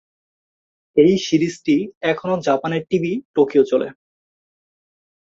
এই সিরিজটি এখনো জাপানের টিভি-টোকিও চলে।